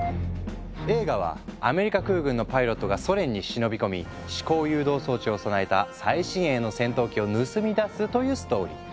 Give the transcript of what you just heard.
映画はアメリカ空軍のパイロットがソ連に忍び込み思考誘導装置を備えた最新鋭の戦闘機を盗み出すというストーリー。